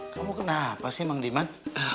kamu kenapa sih bang diman